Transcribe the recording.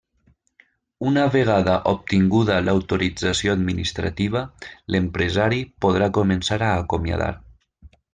Una vegada obtinguda l'autorització administrativa, l'empresari podrà començar a acomiadar.